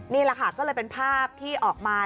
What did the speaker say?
นี่แหละค่ะก็เลยเป็นภาพที่ออกมา